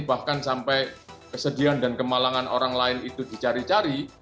bahkan sampai kesedihan dan kemalangan orang lain itu dicari cari